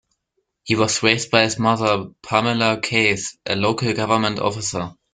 He was raised by his mother, Pamela Case, a local government officer.